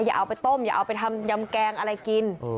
อย่าเอาไปต้มอย่าเอาไปทำยำแกงอะไรกิน